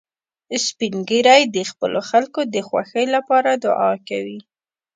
سپین ږیری د خپلو خلکو د خوښۍ لپاره دعا کوي